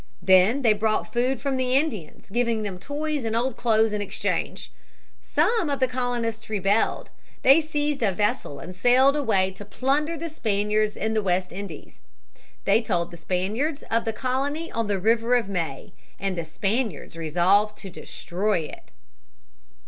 Then they bought food from the Indians, giving them toys and old clothes in exchange. Some of the colonists rebelled. They seized a vessel and sailed away to plunder the Spaniards in the West Indies. They told the Spaniards of the colony on the River of May, and the Spaniards resolved to destroy it.